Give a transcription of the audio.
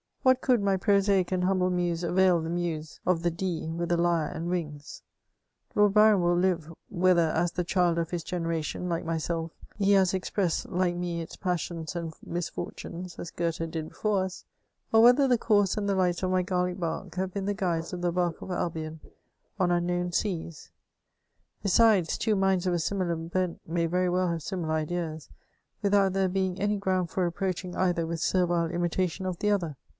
What could my prosaic and humble muse avail the muse of the Dee with a lyre and wings ? Lord Byron will live, whether as the child of nis generation, like myself, he has expressed like me its passions and misfortunes, as Goethe did before us ; or whether the course and the lights of my Gallic barque have been the guides of the barque of Albion on unknown seas. Besides, two minds of a similar bent may very well have similar ideas, without there being any ground for reproaching' either with servile imitation of the other.